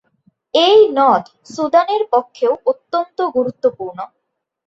এই নদ সুদানের পক্ষেও অত্যন্ত গুরুত্বপূর্ণ।